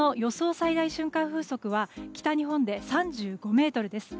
最大瞬間風速は北日本で３５メートルです。